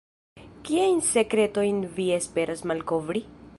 Kiajn sekretojn vi esperas malkovri?